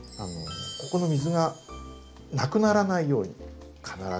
ここの水が無くならないように必ず。